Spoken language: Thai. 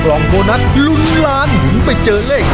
ครอบครัวของแม่ปุ้ยจังหวัดสะแก้วนะครับ